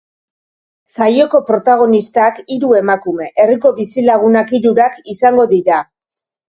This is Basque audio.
Saioko protagonistak hiru emakume, herriko bizilagunak hirurak, izango dira.